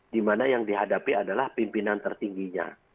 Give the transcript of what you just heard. dimana yang dihadapi adalah pimpinan tertingginya